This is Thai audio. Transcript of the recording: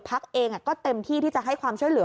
เองก็เต็มที่ที่จะให้ความช่วยเหลือ